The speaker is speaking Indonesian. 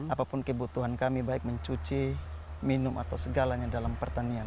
apapun kebutuhan kami baik mencuci minum atau segalanya dalam pertanian